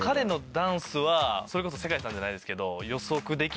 それこそ世界さんじゃないですけど。